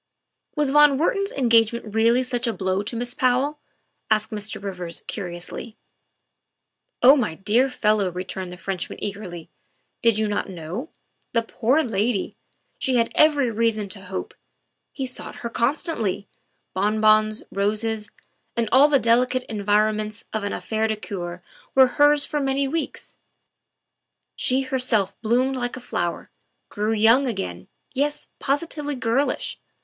" Was von Wertman 's engagement really such a blow to Miss Powell?" said Mr. Rivers curiously. THE SECRETARY OF STATE 13 " Oh my dear fellow," returned the Frenchman eagerly, '' did you not know ? The poor lady ! She had every reason to hope. He sought her constantly; bon bons, roses, and all the delicate environments of an affaire de cceur were hers for many weeks. She, herself, bloomed like a flower; grew young again yes, posi tively girlish.